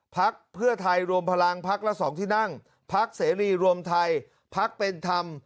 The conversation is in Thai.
พักเพื่อไทยรวมพลังพักละ๒ที่นั่งพักเสรีรวมไทยพักเป็นธรรม